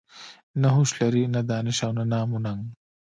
نه هوش لري نه دانش او نه نام و ننګ.